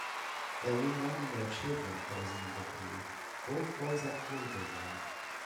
A woman and her children posing in the pool, both boys have floaters on.